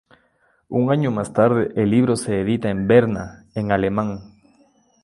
Un año más tarde, el libro se edita en Berna en alemán.